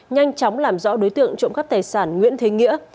nhanh chóng làm rõ đối tượng trộm cắp tài sản nguyễn thế nghĩa